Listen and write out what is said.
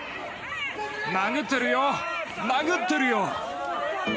殴ってるよ、殴ってるよ！